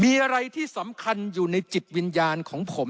มีอะไรที่สำคัญอยู่ในจิตวิญญาณของผม